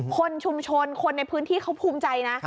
คนชุมชนคนในพื้นที่เขาภูมิใจนะ